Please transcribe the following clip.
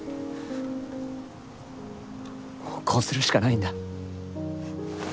もうこうするしかないんだ。